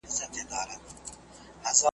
غواړم یوازي در واري سمه جانان یوسفه .